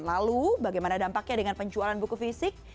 lalu bagaimana dampaknya dengan penjualan buku fisik